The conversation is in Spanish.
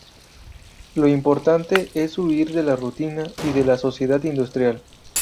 Lo importante es huir de la rutina y de la sociedad industrial.